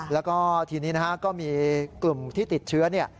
แล้วก็ทีนี้ก็มีกลุ่มที่ติดเชื้อ